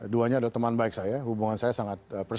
duanya adalah teman baik saya hubungan saya sangat percaya